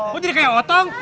kok jadi kayak otong